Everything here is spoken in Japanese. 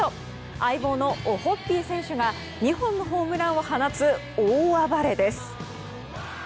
相棒のオホッピー選手が２本のホームランを放つ大暴れです。